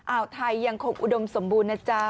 อ่าวไทยยังคงอุดมสมบูรณ์นะจ๊ะ